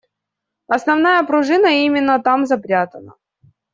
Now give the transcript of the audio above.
Основная пружина именно там запрятана.